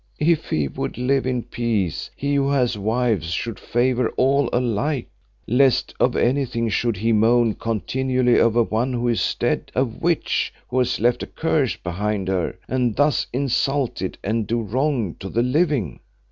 If he would live in peace, he who has wives should favour all alike. Least of anything should he moan continually over one who is dead, a witch who has left a curse behind her and thus insulted and do wrong to the living.